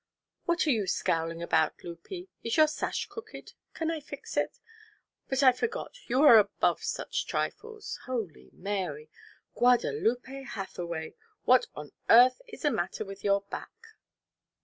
What are you scowling about, 'Lupie? Is your sash crooked? Can I fix it? But I forgot: you are above such trifles Holy Mary! Guadalupe Hathaway! what on earth is the matter with your back?"